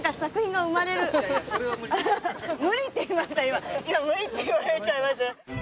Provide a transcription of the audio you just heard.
今無理って言われちゃいました。